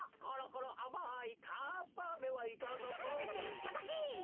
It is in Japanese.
いただき！